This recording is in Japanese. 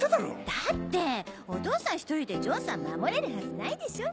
だってお父さん一人でジョンさん守れるはずないでしょ？